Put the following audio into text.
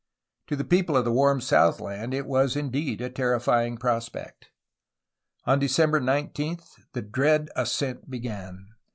To the people of the warm southland it was indeed a terrify ing prospect. On December 19 the dread ascent began.